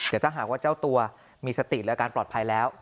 แต่ถ้าหากว่าเจ้าตัวมีสติและอาการปลอดภัยแล้ว